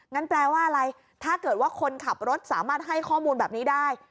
แปลว่าอะไรถ้าเกิดว่าคนขับรถสามารถให้ข้อมูลแบบนี้ได้